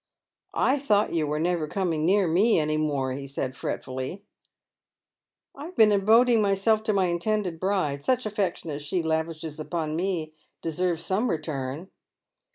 " I thought you were never coming near me any more," he eays fretfully. " I have been devoting myself to my intended bride. Such affection as she lavishes upon me deserves some return."